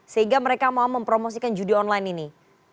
sehingga mereka mau mempromosikan judi online ini